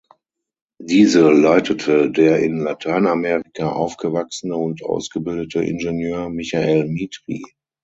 Diese leitete der in Lateinamerika aufgewachsene und ausgebildete Ingenieur Michael Mitri.